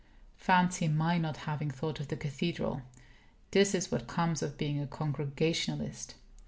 Fancy my not having thought of the cathedral! This is what comes of being a Congregationalist.